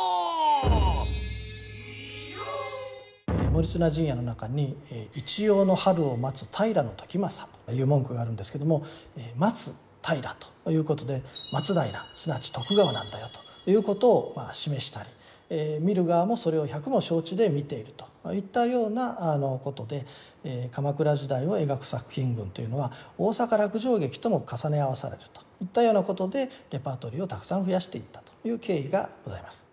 「盛綱陣屋」の中にという文句があるんですけども「待つ平」ということで「松平」すなわち徳川なんだよということを示したり見る側もそれを百も承知で見ているといったようなことで鎌倉時代を描く作品群というのは大坂落城劇とも重ね合わされるといったようなことでレパートリーをたくさん増やしていったという経緯がございます。